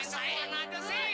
ya allah terima kasih